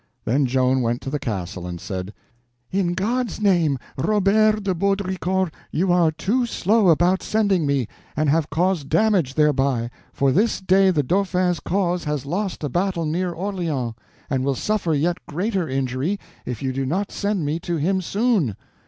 Then Joan went to the castle and said: "In God's name, Robert de Baudricourt, you are too slow about sending me, and have caused damage thereby, for this day the Dauphin's cause has lost a battle near Orleans, and will suffer yet greater injury if you do not send me to him soon."